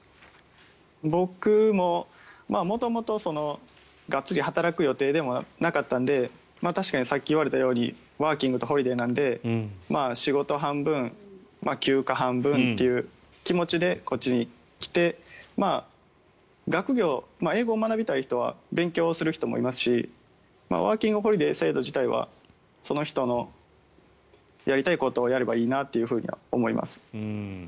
僕も元々、がっつり働く予定でもなかったので確かにさっき言われたようにワーキングとホリデーなので仕事半分、休暇半分という気持ちでこっちに来て学業、英語を学びたい人は勉強する人もいますしワーキングホリデー制度自体はその人のやりたいことをやればいいなとは思います。